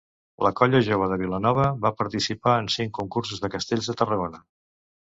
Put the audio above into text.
La Colla Jove de Vilanova va participar en cinc concursos de castells de Tarragona.